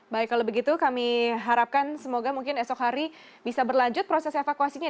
baik kalau begitu kami harapkan semoga mungkin esok hari bisa berlanjut proses evakuasinya